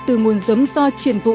từ nguồn giống do chuyển vụ